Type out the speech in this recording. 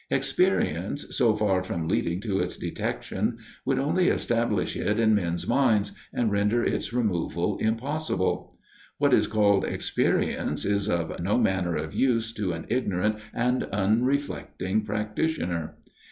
Experience, so far from leading to its detection, would only establish it in men's minds, and render its removal impossible. What is called experience is of no manner of use to an ignorant and unreflecting practitioner.